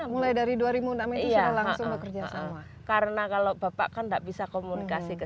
dua ribu enam mulai dari dua ribu enam iya langsung bekerja sama karena kalau bapak kan tak bisa komunikasi ke